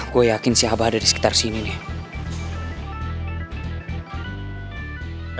gue yakin si abah ada di sekitar sini nih